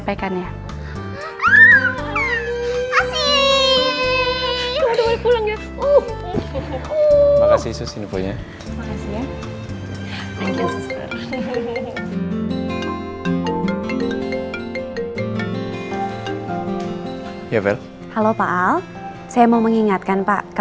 sampai jumpa di video selanjutnya